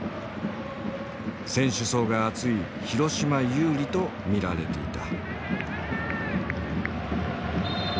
選手層が厚い広島有利と見られていた。